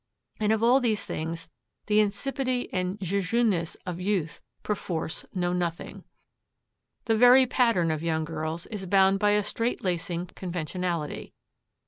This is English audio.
And of all these things the insipidity and jejuneness of youth perforce know nothing. The very pattern of young girls is bound by a strait lacing conventionality.